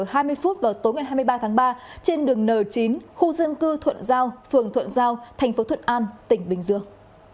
khoảng hai mươi ba h hai mươi p vào tối ngày hai mươi ba tháng ba trên đường n chín khu dân cư thuận giao phường thuận giao tp thuận an tỉnh bình dương